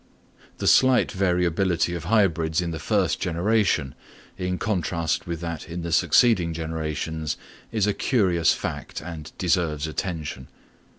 The slight variability of hybrids in the first generation, in contrast with that in the succeeding generations, is a curious fact and deserves attention.